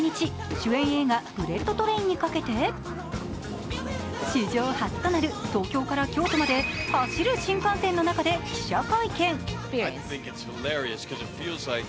主演映画「ブレット・トレイン」にかけて史上初となる東京から京都まで走る新幹線の中で記者会見。